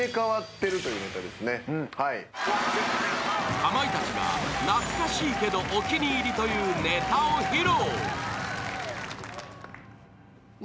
かまいたちが懐かしいけどお気に入りというネタを披露。